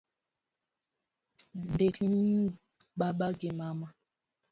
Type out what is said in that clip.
Ndik nying baba gi mama